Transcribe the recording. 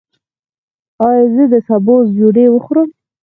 ایا زه د سبوس ډوډۍ وخورم؟